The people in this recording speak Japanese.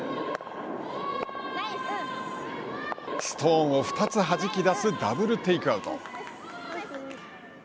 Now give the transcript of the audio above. ストーンを２つはじき出すダブル・テイクアウト。